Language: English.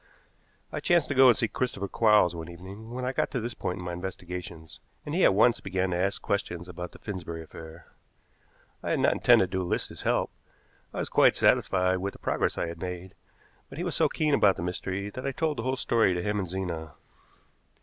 I chanced to go and see Christopher Quarles one evening when I got to this point in my investigations, and he at once began to ask questions about the Finsbury affair. I had not intended to enlist his help. I was quite satisfied with the progress I had made, but he was so keen about the mystery that I told the whole story to him and Zena.